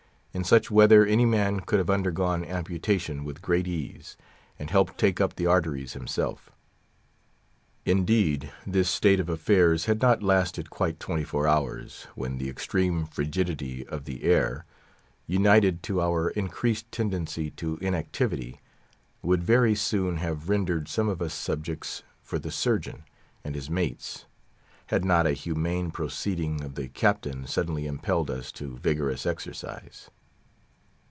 In such weather any man could have undergone amputation with great ease, and helped take up the arteries himself. Indeed, this state of affairs had not lasted quite twenty four hours, when the extreme frigidity of the air, united to our increased tendency to inactivity, would very soon have rendered some of us subjects for the surgeon and his mates, had not a humane proceeding of the Captain suddenly impelled us to vigorous exercise.